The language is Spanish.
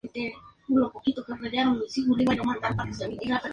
Las habilidades sobrehumanas de Donna Diego provienen del simbionte Scream.